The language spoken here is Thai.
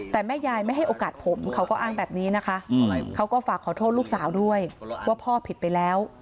แต่แม่ยายไม่ให้โอกาสผมเขาก็อ้างแบบนี้นะคะเขาก็ฝากขอโทษลูกสาวด้วยว่าพ่อผิดไปแล้ว